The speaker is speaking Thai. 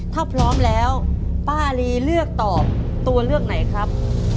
ถ้าพร้อมแล้วป้าลีเลือกตอบตัวเลือกไหนครับ